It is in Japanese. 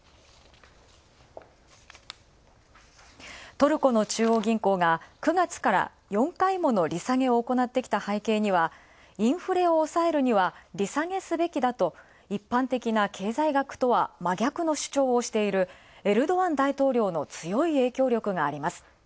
トルコの中央銀行が９月から４回もの利下げを行った背景には、インフレを抑えるには利下げすべきだと、一般的な経済学とは真逆の主張をしているエルドアン大統領の強い影響力があります。